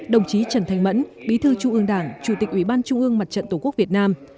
đồng chí trần thanh mẫn bí thư trung ương đảng chủ tịch ủy ban trung ương mặt trận tổ quốc việt nam